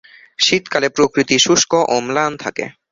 শীতকালে প্রকৃতি শুষ্ক ও ম্লান থাকে।